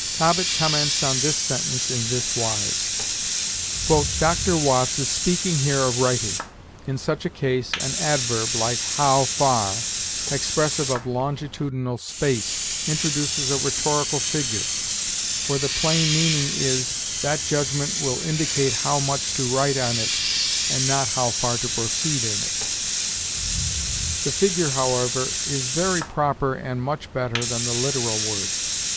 Cobbett comments on this sentence in this wise: "Dr. Watts is speaking here of writing. In such a case, an adverb, like how far, expressive of longitudinal space, introduces a rhetorical figure; for the plain meaning is, that judgment will dictate how much to write on it and not how far to proceed in it. The figure, however, is very proper and much better than the literal words.